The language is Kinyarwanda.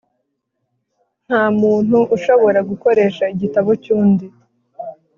Nta muntu ushobora gukoresha igitabo cy’ undi